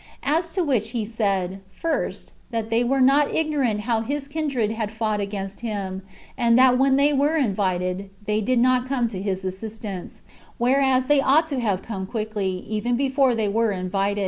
As to which he said, first, that they were not ignorant how his kindred had fought against him, and that when they were invited, they did not come to his assistance, whereas they ought to have come quickly, even before they were invited.